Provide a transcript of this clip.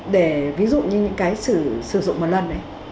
để ví dụ như cái sử dụng một lần